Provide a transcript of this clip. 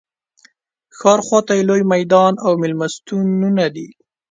ښار خواته یې لوی میدان او مېلمستونونه دي.